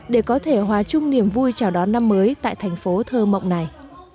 để có thể hòa chung niềm vui chào đón năm mới tại thành phố thơ mộng này